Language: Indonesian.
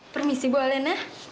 permisi bu alina